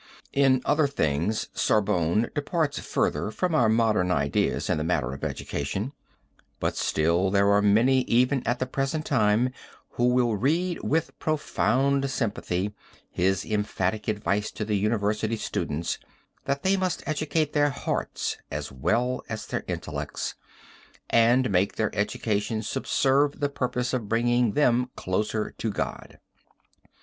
In other things Sorbonne departs further from our modern ideas in the matter of education, but still there are many even at the present time who will read with profound sympathy his emphatic advice to the University students that they must educate their hearts as well as their intellects, and make their education subserve the purpose of bringing them closer to God.